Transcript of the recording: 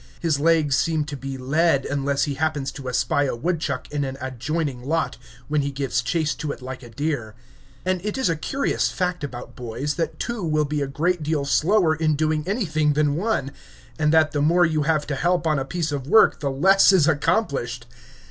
His legs seem to be lead, unless he happens to espy a woodchuck in an adjoining lot, when he gives chase to it like a deer; and it is a curious fact about boys, that two will be a great deal slower in doing anything than one, and that the more you have to help on a piece of work the less is accomplished.